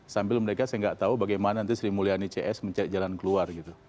sambil mereka saya nggak tahu bagaimana nanti sri mulyani cs mencari jalan keluar gitu